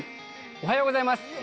おはようございます。